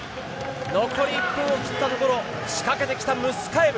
残り１分を切ったところ仕掛けてきたムスカエブ。